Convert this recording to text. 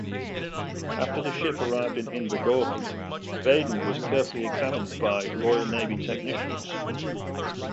After the ship arrived in Invergordon, "Baden" was carefully examined by Royal Navy technicians.